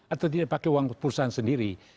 atau tidak pakai uang perusahaan sendiri